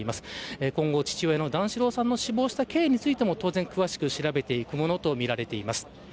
今後、父親の段四郎さんが死亡した経緯についても当然、詳しく調べていくものとみられます。